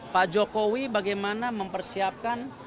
pak jokowi bagaimana mempersiapkan